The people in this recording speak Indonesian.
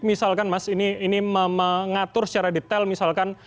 misalkan mas ini mengatur secara detail misalkan